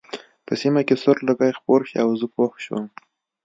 په سیمه کې سور لوګی خپور شو او زه پوه شوم